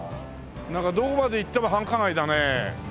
なんかどこまで行っても繁華街だね。